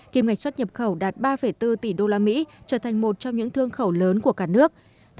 kim ngạch xuất nhập khẩu đạt ba bốn tỷ usd trở thành một trong những thương khẩu lớn của cả nước